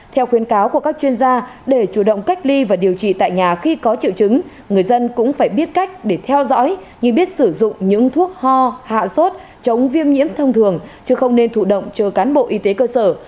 theo khuyến cáo của các chuyên gia để chủ động cách ly và điều trị tại nhà khi có triệu chứng người dân cũng phải biết cách để theo dõi như biết sử dụng những thuốc ho hạ sốt chống viêm nhiễm thông thường chứ không nên thụ động chờ cán bộ y tế cơ sở